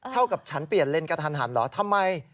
กับฉันเปลี่ยนเลนกระทันหันเหรอทำไม